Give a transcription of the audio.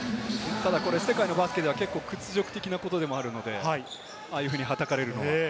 世界のバスケでは屈辱的なことでもあるので、ああいうふうにはたかれるのは。